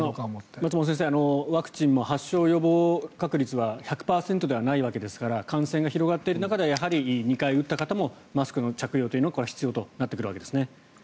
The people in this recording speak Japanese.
松本先生、ワクチンも発症予防確率は１００％ではないので感染が広がっている中では２回打った方もマスクの着用というのは必要となってくるわけですね。